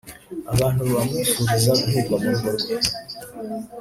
abantu bamwifuriza guhirwa mu rugo rwe